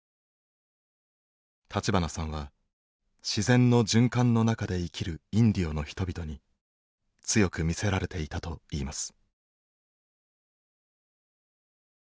立花さんは自然の循環の中で生きるインディオの人々に強く魅せられていたといいます。